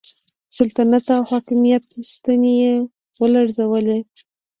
د سلطنت او حاکمیت ستنې یې ولړزولې.